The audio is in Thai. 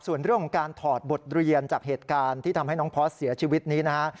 ส่วนเรื่องของการถอดบทเรียนจากเหตุการณ์ที่ทำให้น้องพอร์สเสียชีวิตนี้นะฮะ